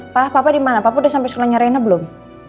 pa papa dimana papa udah sampe sekolahnya rena belum